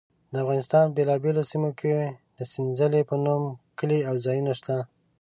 د افغانستان په بېلابېلو سیمو کې د سنځلې په نوم کلي او ځایونه شته.